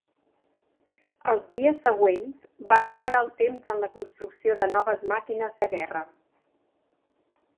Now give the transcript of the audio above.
Els dies següents van emprar el temps en la construcció de noves màquines de guerra.